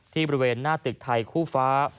บริเวณหน้าตึกไทยคู่ฟ้า